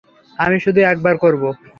আমি শুধু একবার করব।